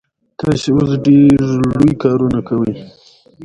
ازادي راډیو د د اوبو منابع په اړه د اقتصادي اغېزو ارزونه کړې.